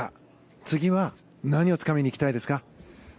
次は何をつかみに行きたいですか？